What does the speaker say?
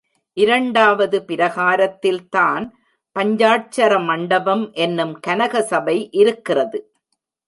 இரண்டாவது பிரகாரத்தில்தான் பஞ்சாட்சர மண்டபம் என்னும் கனகசபை இருக்கிறது.